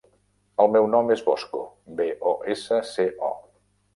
El meu nom és Bosco: be, o, essa, ce, o.